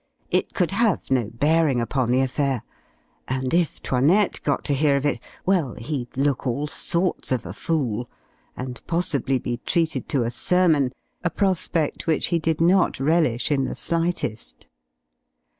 It could have no bearing upon the affair, and if 'Toinette got to hear of it, well, he'd look all sorts of a fool, and possibly be treated to a sermon a prospect which he did not relish in the slightest.